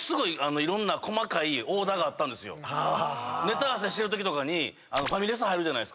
ネタ合わせしてるときとかファミレス入るじゃないですか。